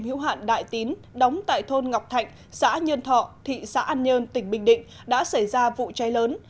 hữu hạn đại tín đóng tại thôn ngọc thạnh xã nhân thọ thị xã an nhơn tỉnh bình định đã xảy ra vụ cháy lớn